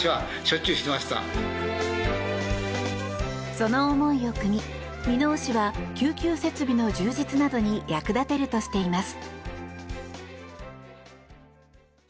その思いをくみ箕面市は救急設備の充実などに役立てるとしています。